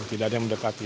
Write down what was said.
tidak ada yang mendekati